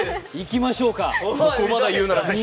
そこまで言うならぜひ。